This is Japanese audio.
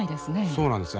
そうなんですよ。